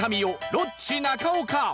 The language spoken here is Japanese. ロッチ中岡